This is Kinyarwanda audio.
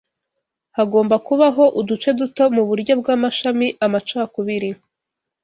Hagomba kubaho uduce duto muburyo bwamashami amacakubiri